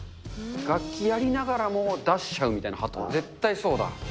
楽器やりながらも出しちゃうみたいな、ハトを、絶対そうだ。